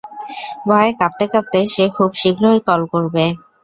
ভয়ে কাঁপতে কাঁপতে সে খুব শীঘ্রই কল করবে।